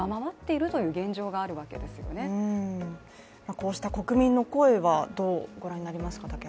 こうした国民の声はどうご覧になりますか？